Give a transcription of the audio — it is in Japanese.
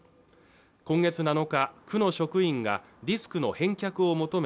今月７日区の職員がディスクの返却を求め